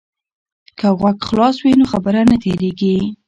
که غوږ خلاص وي نو خبره نه تیریږي.